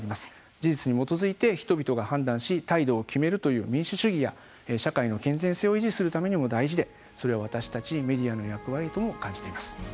事実に基づいて人々が判断し態度を決めるという民主主義や社会の健全性を維持するためにも大事で私たちメディアの役割だと感じています。